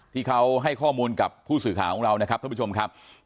ที่เขาให้ข้อมูลกับผู้สื่อข่าวของเรานะครับท่านผู้ชมครับ